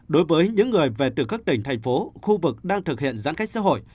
đối với những người về từ các tỉnh thành phố khu vực đang thực hiện giãn cách xã hội